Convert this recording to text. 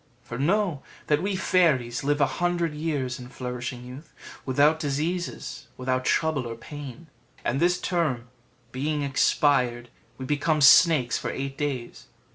For know, that we fairies live a hundred years in flourishing youth, without diseases, without trouble or pain; and this term being expired, we become snakes for eight days.